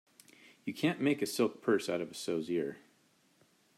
You can't make a silk purse out of a sow's ear.